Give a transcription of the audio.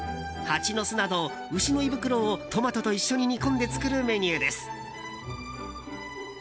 ハチノスなど牛の胃袋をトマトと一緒に煮込んで作るメニューです。